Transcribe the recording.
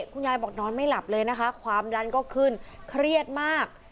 คุณยายบอกนอนไม่หลับเลยนะคะความดันก็ขึ้นเครียดมาก